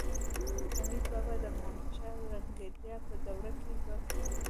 حمید بابا د محمدشاه رنګیلا په دوره کې ژوند کاوه